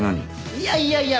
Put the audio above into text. いやいやいや